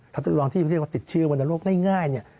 ถัดทดลองที่เขาติดเชื้อวันโรคง่ายเนี่ย